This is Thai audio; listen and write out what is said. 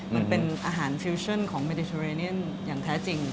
มันเป็นอาหารฟิวชั่นของเมดิเทอเรเนียนอย่างแท้จริง